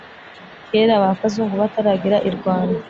kera ba kazungu bataragera i rwanda.